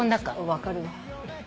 分かるわ。